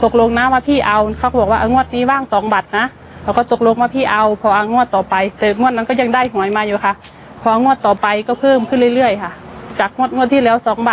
ก็เป็นสามบาทสี่บาทเงี้ยค่ะก็ไปทั้งหมดสี่งวดมา